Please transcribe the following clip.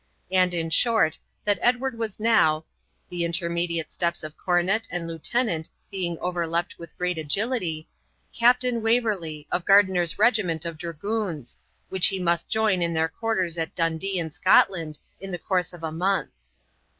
And, in short, that Edward was now (the intermediate steps of cornet and lieutenant being overleapt with great agility) Captain Waverley, of Gardiner's regiment of dragoons, which he must join in their quarters at Dundee in Scotland, in the course of a month.